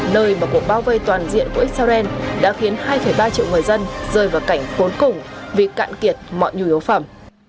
nơi mà cuộc bao vây toàn diện của israel đã khiến hai ba triệu người dân rơi vào cảnh cuốn cùng vì cạn kiệt mọi nhu yếu phẩm